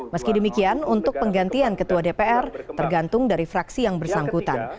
meski demikian untuk penggantian ketua dpr tergantung dari fraksi yang bersangkutan